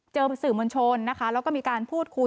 เจอสื่อมณชนแล้วก็มีการพูดคุย